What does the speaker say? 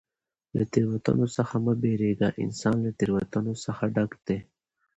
له تېروتنو څخه مه بېرېږه! انسان له تېروتنو څخه ډګ دئ.